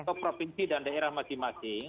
atau provinsi dan daerah masing masing